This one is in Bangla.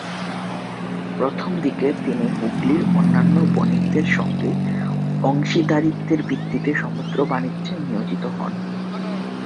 প্রথমদিকে তিনি হুগলির অন্যান্য বণিকদের সঙ্গে অংশীদারিত্বের ভিত্তিতে সমুদ্র-বাণিজ্যে নিয়োজিত হন।